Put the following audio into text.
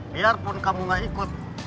biarpun kamu gak ikut